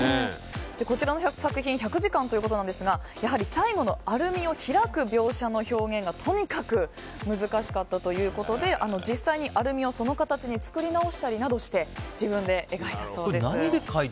こちらの作品１００時間ということなんですが最後のアルミを開く描写の表現がとにかく難しかったということで実際にアルミをその形に作り直したりなどして何で描いてるんですかね。